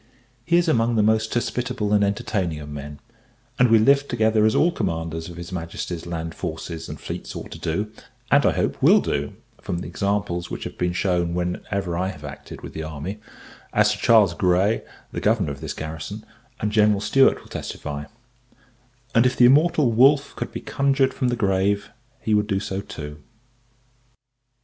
He is among the most hospitable and entertaining of men: and we live together as all commanders of his Majesty's land forces and fleets ought to do; and, I hope, will do, from the examples which have been shewn wherever I have acted with the army as Sir Charles Grey, the Governor of this garrison, and General Stuart, will testify; and, if the immortal Wolfe could be conjured from the grave, he would do so too.